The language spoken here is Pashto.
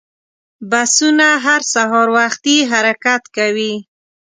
بسونه هر سهار وختي حرکت کوي.